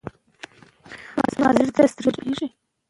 پوهه به خپره سوې وي.